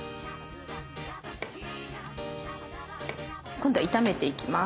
今度は炒めていきます。